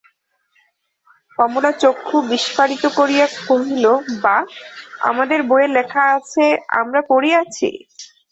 কমলা চক্ষু বিস্ফারিত করিয়া কহিল, বাঃ, আমাদের বইয়ে লেখা আছে–আমরা পড়িয়াছি।